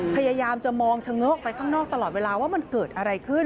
พยายามจะมองเฉงะไปข้างนอกตลอดเวลาว่ามันเกิดอะไรขึ้น